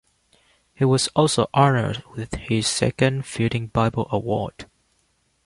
He was also honored with his second Fielding Bible Award.